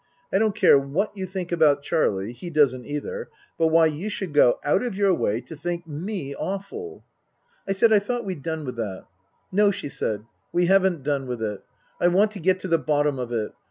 I don't care what you think about Charlie he doesn't either but why you should go out of your way to think me awful " I said I thought we'd done with that. " No," she said, " we haven't done with it. I want to get to the bottom of it.